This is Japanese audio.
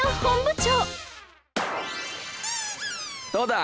どうだ？